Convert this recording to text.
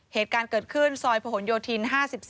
เหตุการณ์เกิดขึ้นซอยผนโยธิน๕๔